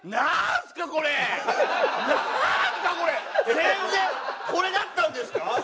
全然これだったんですか？